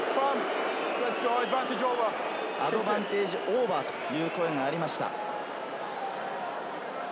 アドバンテージ、オーバーという声がありました。